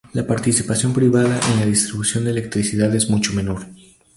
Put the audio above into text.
La participación privada en la distribución de electricidad es mucho menor.